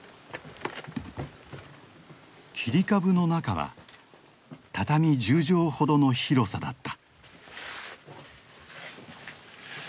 切り株の中は畳１０畳ほどの広さだった。